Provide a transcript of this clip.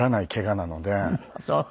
そう。